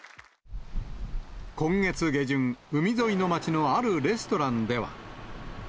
今月下旬、海沿いの町のあるレストランでは。